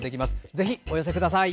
ぜひお寄せください。